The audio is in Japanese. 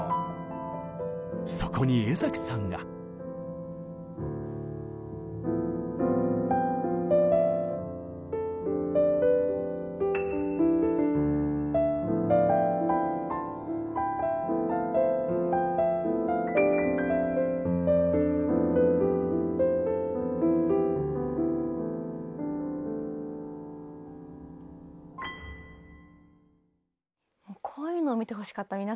そこに江さんが。こういうのを見てほしかった皆さんに。